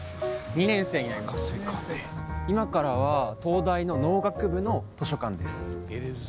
今からは東大の農学部の図書館です。